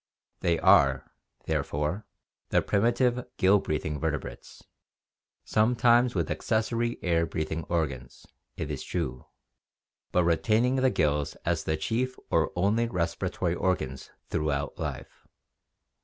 They are, therefore, the primitive gill breathing vertebrates, some times with accessory air breathing organs, it is true, but retaining the gills as the chief or only respiratory organs throughout life.